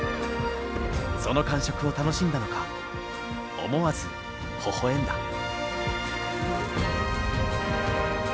その感触を楽しんだのか思わずほほ笑んだ。